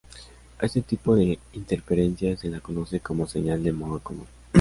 A este tipo de interferencia se la conoce como señal de modo común.